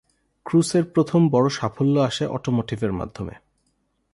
ক্রুসের প্রথম বড় সাফল্য আসে অটোমোটিভের মাধ্যমে।